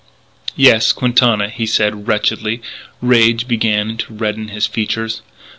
"Yes; Quintana," he said wretchedly. Rage began to redden his features.